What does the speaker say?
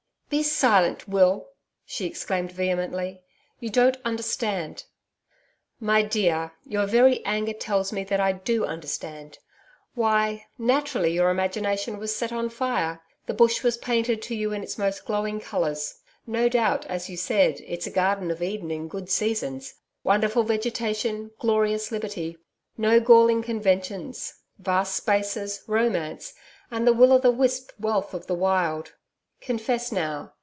'Be silent, Will,' she exclaimed vehemently. 'You don't understand.' 'My dear, your very anger tells me that I do understand. Why! naturally your imagination was set on fire. The Bush was painted to you in its most glowing colours. No doubt, as you said, it's a Garden of Eden in good seasons. Wonderful vegetation, glorious liberty no galling conventions vast spaces romance and the will o' the wisp wealth of the Wild. Confess now